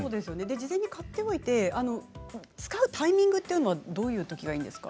事前に買っておいて使うタイミングはどういうときがいいんですか？